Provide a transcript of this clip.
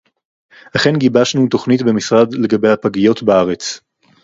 אכן גיבשנו תוכנית במשרד לגבי הפגיות בארץ